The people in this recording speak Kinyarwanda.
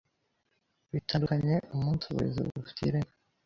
bitendukenye umunsi burezi bufite ireme